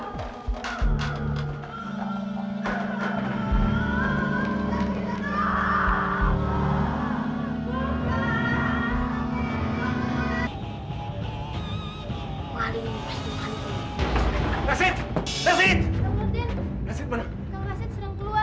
udah nggak bawa